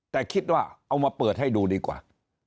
แต่คิดว่าเอามาเปิดให้ดูดีกว่า